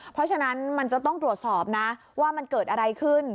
เพราะฉะนั้นมันจะต้องตรวจสอบนะว่ามันเกิดอะไรขึ้น